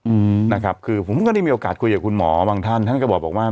อืมนะครับคือผมก็ได้มีโอกาสคุยกับคุณหมอบางท่านท่านก็บอกว่า